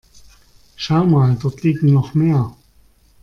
Schau mal, dort liegen noch mehr.